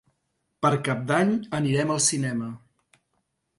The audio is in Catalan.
Per Cap d'Any anirem al cinema.